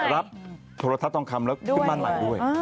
รับโทรทัศน์ผรานคำแล้วก็ขึ้นมาใหม่ด้วย